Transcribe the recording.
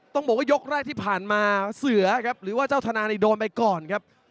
ต้องบอกว่ายกแรกที่ผ่านมาเสือครับหรือว่าเจ้าธนานี่โดนไปก่อนครับ